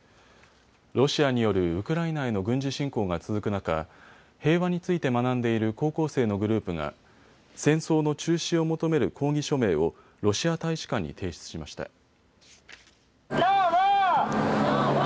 ロシアによるウクライナへの軍事侵攻が続く中、平和について学んでいる高校生のグループが戦争の中止を求める抗議署名をロシア大使館に提出しました。